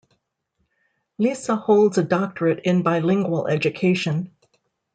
Lissa holds a doctorate in bilingual education.